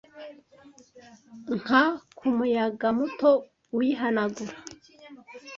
nka kumuyaga muto uyihanagura